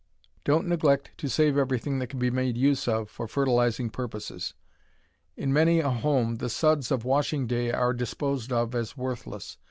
Don't neglect to save everything that can be made use of for fertilizing purposes. In many a home the "suds" of washing day are disposed of as worthless.